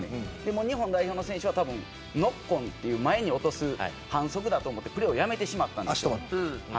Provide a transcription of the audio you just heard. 日本代表の選手はノックオンという前に落とす反則だと思ってプレイをやめてしまったんです。